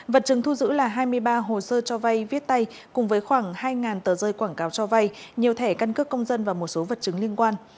vật chứng thu giữ là hai mươi ba hồ sơ cho vay viết tay cùng với khoảng hai tờ rơi quảng cáo cho vay nhiều thẻ căn cước công dân và một số vật chứng liên quan